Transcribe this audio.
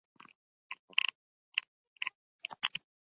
Fuqarolar ham Konstitutsiyaviy sudga murojaat etishi mumkin